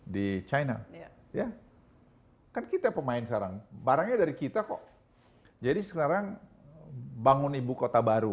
di china ya kan kita pemain sekarang barangnya dari kita kok jadi sekarang bangun ibu kota baru